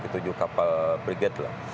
tujuh kapal frigate lah